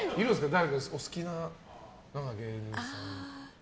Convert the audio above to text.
誰か、お好きな芸人さん。